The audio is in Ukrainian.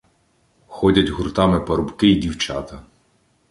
Ходять гуртами парубки й дівчата.